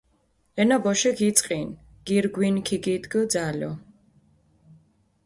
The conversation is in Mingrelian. ენა ბოშიქ იწყინჷ, გირგვინი ქიგიდგჷ ძალო.